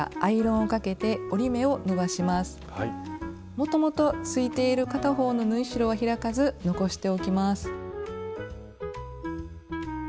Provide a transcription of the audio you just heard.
もともとついている片方の縫い代は開かず残しておきます。